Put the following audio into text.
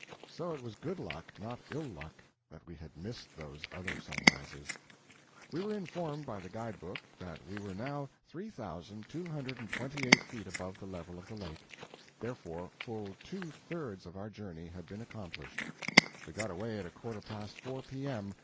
So it was good luck, not ill luck, that we had missed those other sunrises. We were informed by the guide book that we were now 3,228 feet above the level of the lake therefore full two thirds of our journey had been accomplished. We got away at a quarter past four P.M.